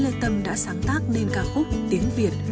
nhạc sĩ lê tâm đã sáng tác nên ca khúc tiếng việt